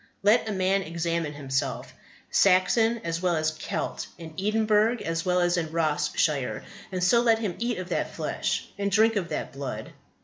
Let a man examine himself, Saxon as well as Celt, in Edinburgh as well as in Ross shire, and so let him eat of that flesh and drink of that blood.